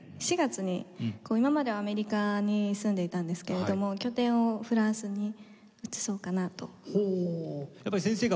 ４月に今までアメリカに住んでいたんですけれども拠点をフランスに移そうかなと。